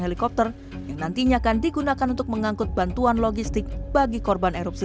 helikopter yang nantinya akan digunakan untuk mengangkut bantuan logistik bagi korban erupsi